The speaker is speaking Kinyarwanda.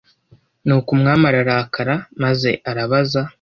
Nuko umwami ararakara maze arabaza